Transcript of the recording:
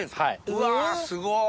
うわすごっ！